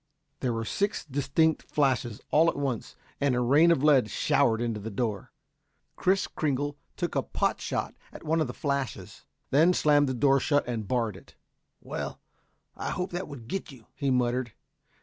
There were six distinct flashes all at once and a rain of lead showered into the door. Kris Kringle took a pot shot at one of the flashes, then slammed the door shut and barred it. "Well; I hope that would get you," he muttered.